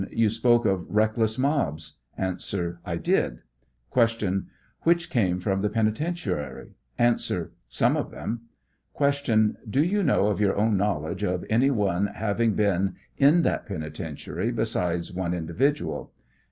You spoke of reckless mobs ? A. 1 did. Q. Which came from the penitentiary ? A. Some of them. Q. Do you know of your own knowledge of any one having been in that penitentiary besides one individual?